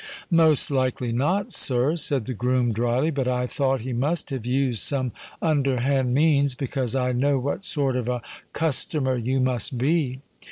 "Most likely not, sir," said the groom drily. "But I thought he must have used some underhand means, because I know what sort of a customer you must be."